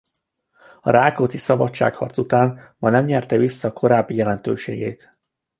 A Rákóczi-szabadságharc után már nem nyerte vissza korábbi jelentőségét.